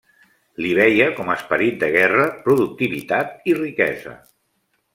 L'hi veia com a esperit de guerra, productivitat i riquesa.